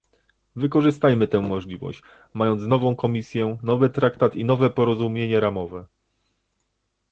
Wykorzystajmy tę możliwość, mając nową Komisję, nowy traktat i nowe porozumienie ramowe